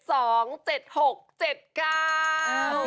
สีเห็นสวยมาก